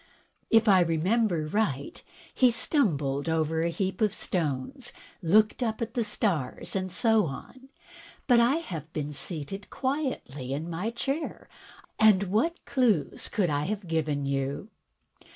If I remember right, he stumbled over a heap of stones, looked up at the stars, and so on. But I have been seated quietly in my chair, and what clews can I have given you?"